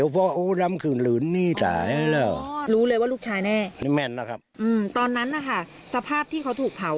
เพราะว่ามันจะเราส่งนุ่มที่ปกติ